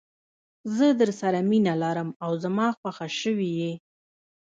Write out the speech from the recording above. زه درسره مینه لرم او زما خوښه شوي یې.